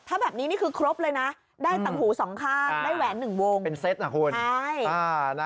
ถ้าแบบนี้นี่คือครบเลยนะ